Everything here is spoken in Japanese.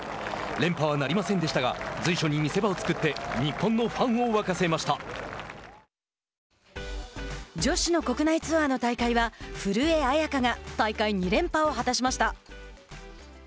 連覇はなりませんでしたが随所に見せ場を作って女子の国内ツアーの大会は古江彩佳が大会２連覇を果たしました。